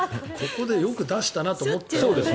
ここでよく出したなと思った。